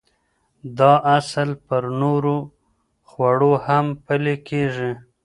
دا اصل پر نورو خوړو هم پلي کېږي.